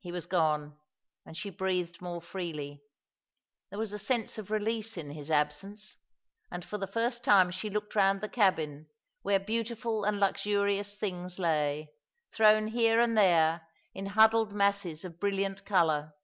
He was gone, and she breathed more freely. There was a sense of release in his absence; and for the first time sha looked round the cabin, where beautiful and luxurious things lay, thrown here and there in huddled masses of brilliant colour.